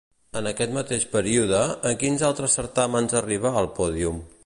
En aquest mateix període, en quins altres certàmens arribà al pòdium?